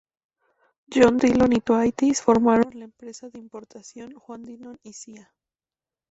John Dillon y Thwaites formaron la empresa de importación "Juan Dillon y Cía.